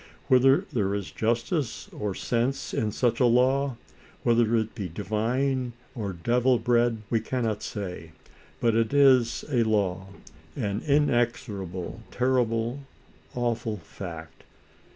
Whether there is justice or sense in such a law, whether it be divine or devil bred, we cannot say, but it is a law, an inexorable, terrible, awful fact.